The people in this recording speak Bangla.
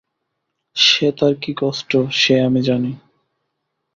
সে তার কী কষ্ট, সে আমি জানি।